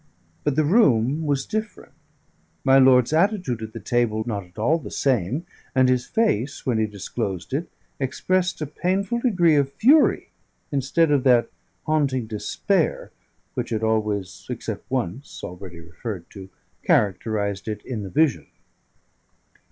But the room was different, my lord's attitude at the table not at all the same, and his face, when he disclosed it, expressed a painful degree of fury instead of that haunting despair which had always (except once, already referred to) characterised it in the vision.